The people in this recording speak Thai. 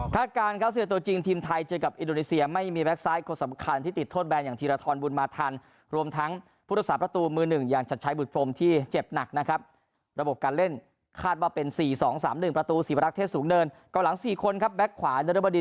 คาดการณ์เสียตัวจริงทีมไทยเจอกับอินโดนิเซียไม่มีแบ็คซ้ายคนสำคัญที่ติดโทษแบนอย่างธีรธรบุญมาธรรมรวมทั้งผู้ทักษาประตูมือหนึ่งอย่างจัดใช้บุตรโพรมที่เจ็บหนักนะครับระบบการเล่นคาดว่าเป็นสี่สองสามหนึ่งประตูสีวรักษณ์เทศสูงเนินกล่าวหลังสี่คนครับแบ็คขวานรบดิ